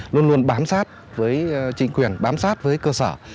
luôn luôn bám sát với chính quyền bám sát với cơ sở